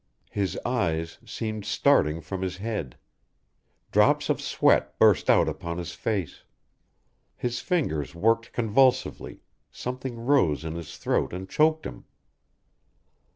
His eyes seemed starting from his head. Drops of sweat burst out upon his face. His fingers worked convulsively, something rose in his throat and choked him.